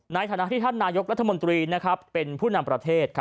ในฐานะที่ท่านนายกรัฐมนตรีเป็นผู้นำประเทศ